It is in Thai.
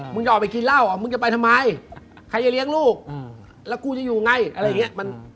มึงอย่าออกไปกินเหล้ามึงจะไปทำไมใครจะเลี้ยงลูกแล้วกูจะอยู่ไง